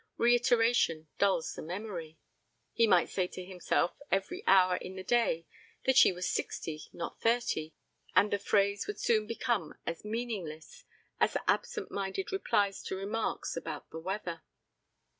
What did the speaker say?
Reiteration dulls the memory. He might say to himself every hour in the day that she was sixty not thirty and the phrase would soon become as meaningless as absent minded replies to remarks about the weather.